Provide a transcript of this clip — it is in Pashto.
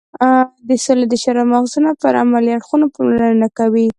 د سولې د شورا مغزونه پر عملي اړخونو پاملرنه نه کوي.